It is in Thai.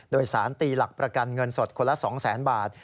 โดยสารตีหลักประกันเงินสดคนละ๒๐๐๐๐บาท